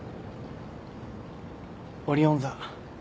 オリオン座。